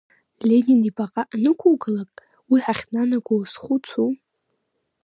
Ленин ибаҟа анықәугалак, уи ҳахьнанаго уазхәыцу?